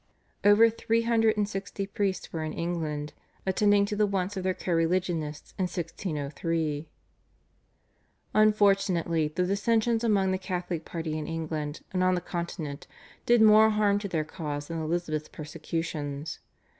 Over three hundred and sixty priests were in England attending to the wants of their co religionists in 1603. Unfortunately the dissensions among the Catholic party in England and on the Continent did more harm to their cause than Elizabeth's persecutions.